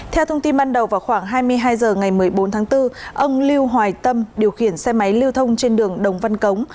theo thông tin ban đầu vào khoảng hai mươi hai h ngày một mươi bốn tháng bốn ông lưu hoài tâm điều khiển xe máy lưu thông trên đường đồng văn cống